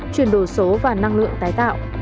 chuyển đổi số và năng lượng tái tạo